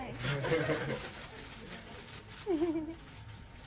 อีบิ